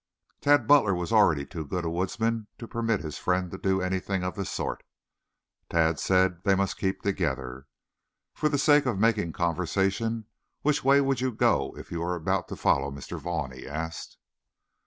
Tad Butler was already too good a woodsman to permit his friend to do anything of the sort. Tad said they must keep together. "For the sake of making conversation, which way would you go if you were about to follow Mr. Vaughn?" he asked.